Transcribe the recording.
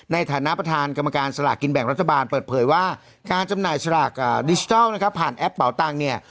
ในฐานะประธานกรรมการสลากกินแบ่งรัฐบาลเปิดเผยว่าการจำหน่ายสลากดิจิทัลนะครับผ่านแอปเป่าตังค์เนี่ย